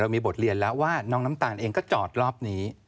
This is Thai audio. มีบทเรียนแล้วว่าน้องน้ำตาลเองก็จอดรอบนี้